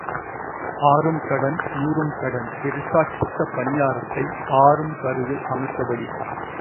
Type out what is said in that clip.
ஆறும் கடன் நூறும் கடன், பெரிசாச் சுடடா பணியாரத்தை, ஆறும் கருவில் அமைத்தபடி.